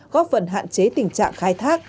góp phần hạn chế tình trạng khai thác